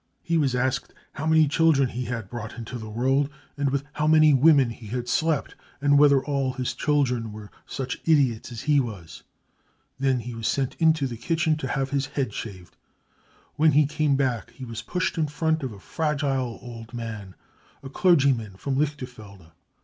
He was asked how many children he had brought into the world anS with how many women he had slept, and whether all his children were such idiots as he was. 44 Then he was sent into the kitchen to have his head shaved. When he came back, he was pushed in front of a fragile old man, a clergyman from Lichterfelde.